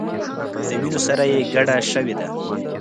د وینو سره یې ګډه شوې ده.